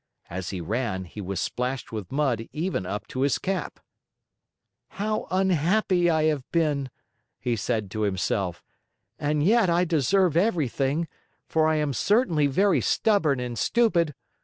As he ran, he was splashed with mud even up to his cap. "How unhappy I have been," he said to himself. "And yet I deserve everything, for I am certainly very stubborn and stupid!